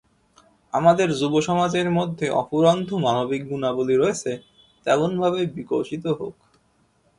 আমাদের যুবসমাজের মধ্যে অফুরন্ত মানবিক গুণাবলি রয়েছে, তা এমনভাবেই বিকশিত হোক।